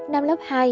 năm lớp hai